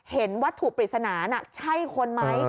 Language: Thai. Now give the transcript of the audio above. เห็นวัตถุปริศนาน่ะใช่คนไหม